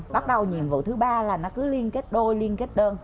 bắt đầu nhiệm vụ thứ ba là nó cứ liên kết đôi liên kết đơn